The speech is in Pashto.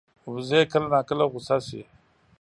وزې کله ناکله غوسه شي